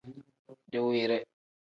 Diwiire.